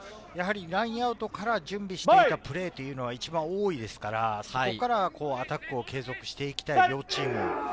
ラインアウトから準備しているプレーというのは一番多いですから、そこからアタックを継続していきたい両チーム。